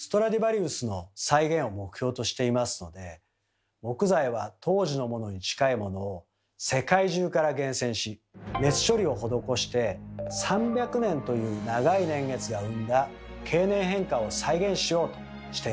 私も木材は当時のものに近いものを世界中から厳選し熱処理を施して３００年という長い年月が生んだ経年変化を再現しようとしています。